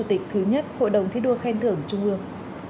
chủ tịch thứ nhất hội đồng thi đua khen thưởng trung ương